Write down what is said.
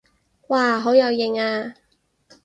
哇好有型啊